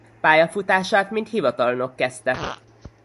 Pályafutását mint hivatalnok kezdte.